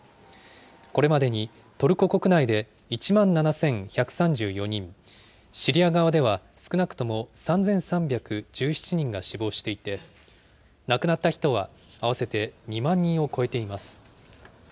これまでにトルコ国内で１万７１３４人、シリア側では少なくとも３３１７人が死亡していて、亡くなった人は合わせて２万人を超えています。